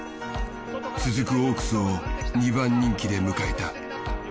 続くオークスを２番人気で迎えた。